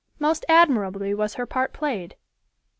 Most admirably was her part played.